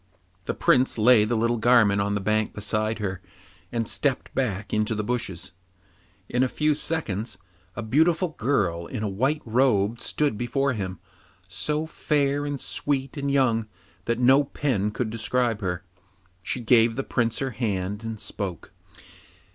The Prince lay the little garment on the bank beside her, and stepped back into the bushes. In a few seconds a beautiful girl in a white robe stood before him, so fair and sweet and young that no pen could describe her. She gave the Prince her hand and spoke.